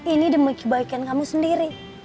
ini demi kebaikan kamu sendiri